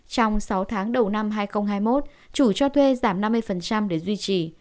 trong sáu tháng đầu năm hai nghìn hai mươi một chủ cho thuê giảm năm mươi để duy trì